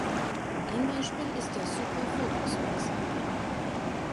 Ein Beispiel ist der Super-Focus-Mixer.